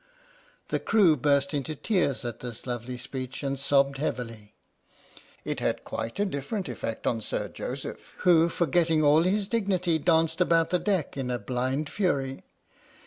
The crew burst into tears at this lovely speech and sobbed heavily. It had quite a different effect on Sir Joseph who, forgetting all his dignity, danced about the deck in a blind fury.